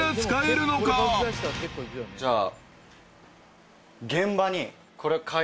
じゃあ。